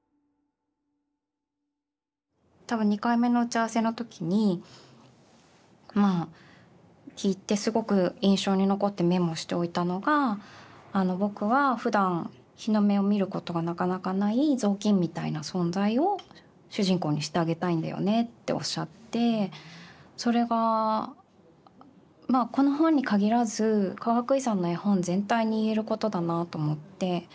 多分２回目の打ち合わせの時にまあ聞いてすごく印象に残ってメモしておいたのが「僕はふだん日の目を見ることがなかなかないぞうきんみたいな存在を主人公にしてあげたいんだよね」っておっしゃってそれがまあこの本に限らずかがくいさんの絵本全体に言えることだなと思って。